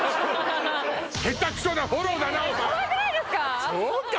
かわいくないですか？